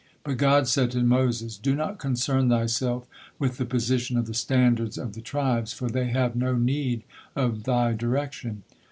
But God said to Moses: "Do not concern thyself with the position of the standards of the tribes, for they have no need of thy direction.